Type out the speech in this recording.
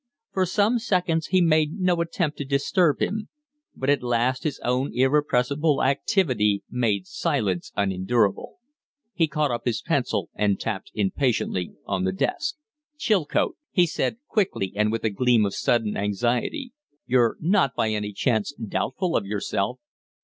For some seconds he made no attempt to disturb him; but at last his own irrepressible activity made silence unendurable. He caught up his pencil and tapped impatiently on the desk. "Chilcote," he said, quickly and with a gleam of sudden anxiety, "you're not by any chance doubtful of yourself?"